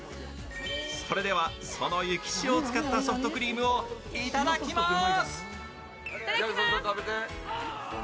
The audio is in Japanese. それでは、その雪塩を使ったソフトクリームをいただきます。